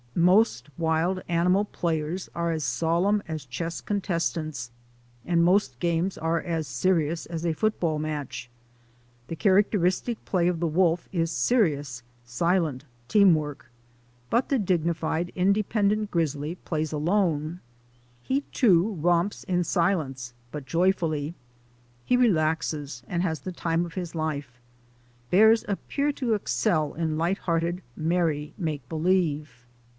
Most wild animal players are as solemn as chess contestants, and most games are as serious as a football match. The characteristic play of the Tvolf is serious, silent team work. But the digni fied, independent grizzly plays alone. He, too, romps in silence, but joyfully. He relaxes and has the time of his life. Bears appear to excel in light hearted, merry make believe.